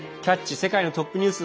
世界のトップニュース」。